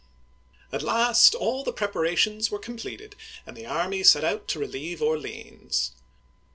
At last all the preparations were completed, and the army set out to relieve Orleans.